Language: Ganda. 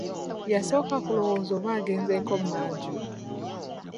Yasooka kulowooza oba agenzeeko mmanju.